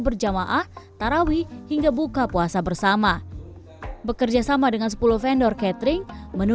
berjamaah tarawih hingga buka puasa bersama bekerja sama dengan sepuluh vendor catering menu